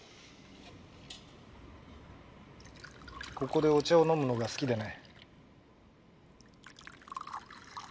ここでお茶を飲むのが好きでね。